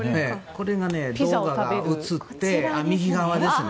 これが映って右側ですね。